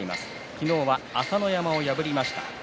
昨日は朝乃山を破りました。